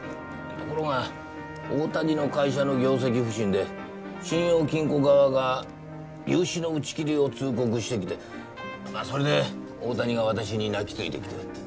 ところが大谷の会社の業績不振で信用金庫側が融資の打ち切りを通告してきてそれで大谷が私に泣きついてきて。